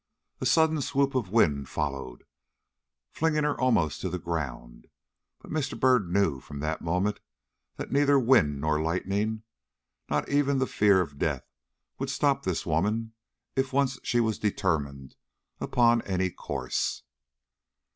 A sudden swoop of wind followed, flinging her almost to the ground, but Mr. Byrd knew from that moment that neither wind nor lightning, not even the fear of death, would stop this woman if once she was determined upon any course.